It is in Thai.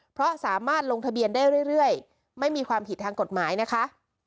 เพราะสามารถลงทะเบียนได้เรื่อยไม่มีความผิดทางกฎหมายนะคะ